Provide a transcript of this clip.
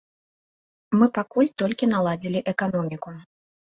Мы пакуль толькі наладзілі эканоміку.